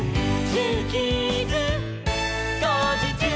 「ジューキーズこうじちゅう！」